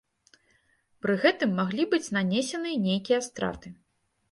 Пры гэтым маглі быць нанесеныя нейкія страты.